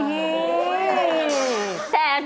โอ้โหท่าแอ๊มด้วยนะ